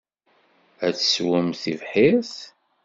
Ad tesswemt tibḥirt.